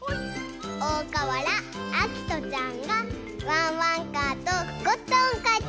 おおかわらあきとちゃんがワンワンカーとゴットンをかいてくれました。